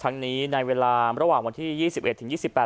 ในเวลาระหว่างวันที่ยี่สิบเอ็ดถึงยี่สิบแปด